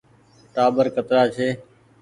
ٽآٻر ڪترآ ڇي ۔